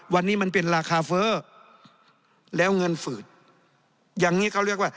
วันนี้มันเป็นราคาเฟ้อแล้วเงินฝืดอย่างนี้เขาเรียกว่า